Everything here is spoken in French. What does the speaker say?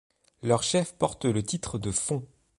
Leur chef porte le titre de Fon.